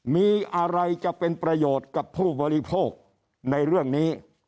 มีอะไรจะเป็นประโยชน์กับผู้บริโภคในเรื่องนี้